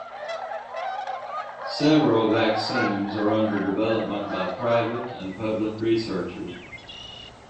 Several vaccines are under development by private and public researchers.